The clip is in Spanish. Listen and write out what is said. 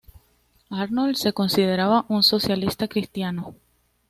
Arnold se consideraba un "socialista cristiano".